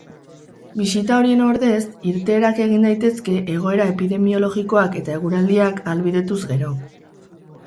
Bisita horien ordez irteerak egin daitezke egoera epidemiologikoak eta eguraldiak ahalbidetuz gero.